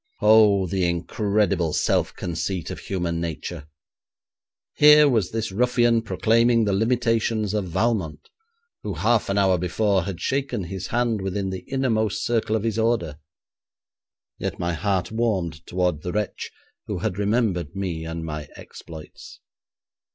Oh, the incredible self conceit of human nature! Here was this ruffian proclaiming the limitations of Valmont, who half an hour before had shaken his hand within the innermost circle of his order! Yet my heart warmed towards the wretch who had remembered me and my exploits.